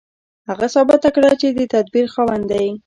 هغه ثابته کړه چې د تدبير خاوند دی.